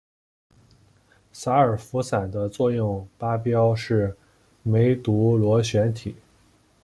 洒尔佛散的作用靶标是梅毒螺旋体。